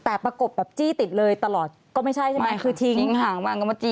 แต่ประกบแบบจี้ติดเลยตลอดก็ไม่ใช่ใช่ไหมคือทิ้งห่างมาจี้